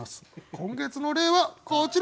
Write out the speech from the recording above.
今月の例はこちら！